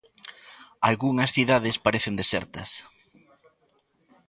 Algunhas cidades parecen desertas.